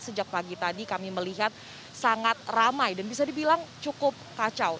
sejak pagi tadi kami melihat sangat ramai dan bisa dibilang cukup kacau